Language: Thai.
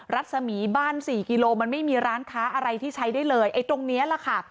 รัศมีบ้านสี่กิโลมันไม่มีร้านค้าอะไรที่ใช้ได้เลยไอ้ตรงเนี้ยแหละค่ะ